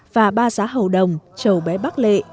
và ba giá hầu đồng châu bé bác lệ